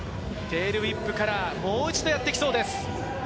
テールウィップからもう一度やってきそうです。